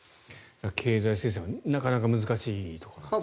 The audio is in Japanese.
経済制裁はなかなか難しいところですね。